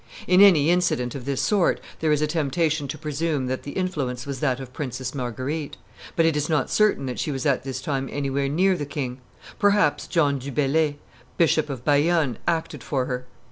In any incident of this sort there is a temptation to presume that the influence was that of Princess Marguerite; but it is not certain that she was at this time anywhere near the king; perhaps John du Bellay, Bishop of Bayonne, acted for her.